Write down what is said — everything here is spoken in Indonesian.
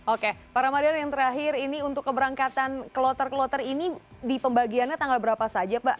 oke pak ramadan yang terakhir ini untuk keberangkatan kloter kloter ini di pembagiannya tanggal berapa saja pak